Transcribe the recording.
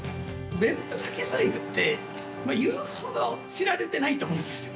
◆別府竹細工って、言うほど知られてないと思うんですよ。